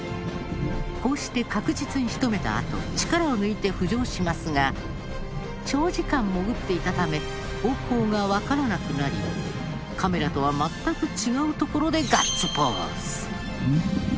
こうして確実に仕留めたあと力を抜いて浮上しますが長時間潜っていたため方向がわからなくなりカメラとは全く違うところでガッツポーズ。